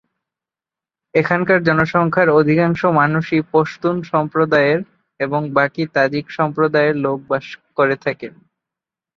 এখানকার জনসংখ্যার অধিকাংশ মানুষই পশতুন সম্প্রদায়ের এবং বাকি তাজিক সম্প্রদায়ের লোক বসবাস করে থাকে।